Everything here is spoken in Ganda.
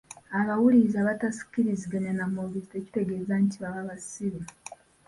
Abawuliriza abatakkiriziganya na mwogezi tekitegeeza nti baba basiru.